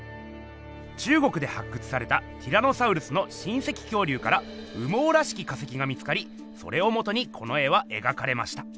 中国で発掘されたティラノサウルスの親せき恐竜から羽毛らしき化石が見つかりそれをもとにこの絵は描かれました。